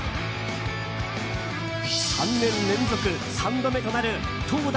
３年連続３度目となる投打